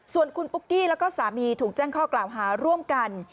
ส่วนคุณปุ๊กกี้แล้วก็สามีถูกแจ้งข้อกล่าวหาร่วมกัน